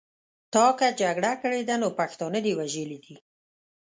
تا که جګړه کړې ده نو پښتانه دې وژلي دي.